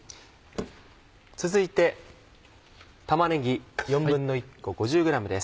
続いて玉ねぎ１／４個５０ｇです。